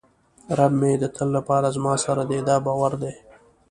رب مې د تل لپاره زما سره دی دا باور دی.